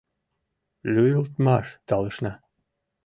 Лӱйылтмаш талышна.